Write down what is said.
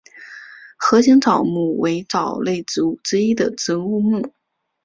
盒形藻目为藻类植物之一植物目。